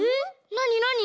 なになに？